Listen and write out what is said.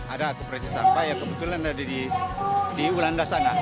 ada koperasi sampah yang kebetulan ada di ulanda sana